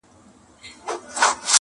انسانان هڅه کوي هېر کړي خو زړه نه مني,